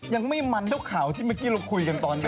ยังไม่มันเท่าข่าวที่เมื่อกี้เราคุยกันตอนนี้